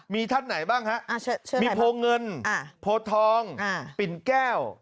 มีท่านไหนบ้างฮะมีโพเงินโพทองปิ่นแก้ว